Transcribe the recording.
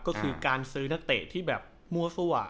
ก็คือการซื้อนักเตะที่แบบมั่วซั่ว